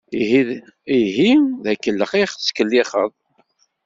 Ini ihi d akellex i aɣ-tettkellix.